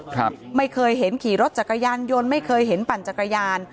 ครับไม่เคยเห็นขี่รถจักรยานยนต์ไม่เคยเห็นปั่นจักรยาน